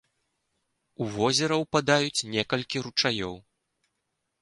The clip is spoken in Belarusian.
У возера ўпадаюць некалькі ручаёў.